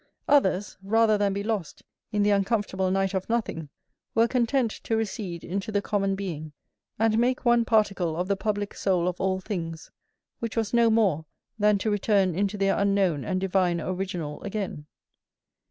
Others, rather than be lost in the uncomfortable night of nothing, were content to recede into the common being, and make one particle of the public soul of all things, which was no more than to return into their unknown and divine original again.